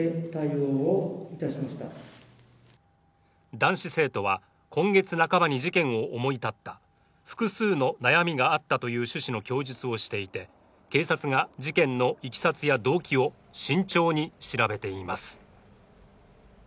男子生徒は、今月半ばに事件を思い立った、複数の悩みがあったという趣旨の供述をしていて警察が事件のいきさつや動機を慎重に調べています。